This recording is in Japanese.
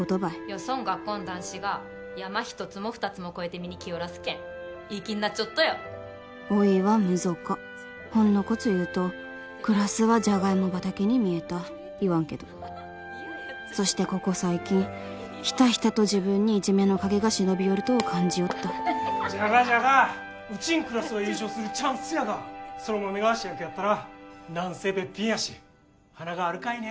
そん学校ん男子が山一つも二つも越えて見に来よらすけんいい気になっちょっとよおいはむぞかほんのこつ言うとクラスはじゃがいも畑に見えた言わんけどそしてここ最近ひたひたと自分にいじめの影が忍び寄るとを感じよった・じゃがじゃがウチんクラスが優勝するチャンスやが空豆が主役やったら何せべっぴんやし華があるかいね